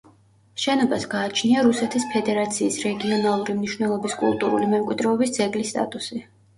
შენობას გააჩნია რუსეთის ფედერაციის რეგიონალური მნიშვნელობის კულტურული მემკვიდრეობის ძეგლის სტატუსი.